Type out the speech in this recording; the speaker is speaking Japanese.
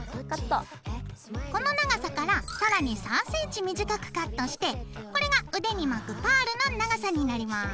この長さから更に３ｃｍ短くカットしてこれが腕に巻くパールの長さになります。